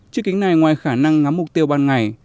chiếc kính này ngoài khả năng ngắm mục tiêu ban ngày